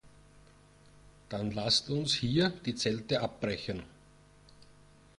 Dann lasst uns hier die Zelte abbrechen.